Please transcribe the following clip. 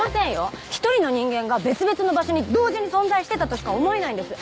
１人の人間が別々の場所に同時に存在してたとしか思えないんです